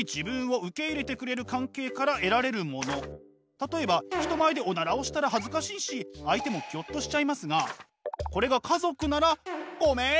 例えば人前でおならをしたら恥ずかしいし相手もぎょっとしちゃいますがこれが家族なら「ごめん！」